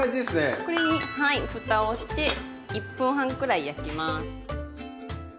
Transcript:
これにふたをして１分半くらい焼きます。